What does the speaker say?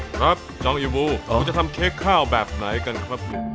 ครับจองอิบูจะทำเค้กข้าวแบบไหนกันครับ